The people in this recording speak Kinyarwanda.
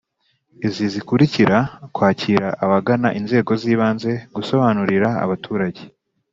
Izi Zikurikira Kwakira Abagana Inzego Z Ibanze Gusobanurira Abaturage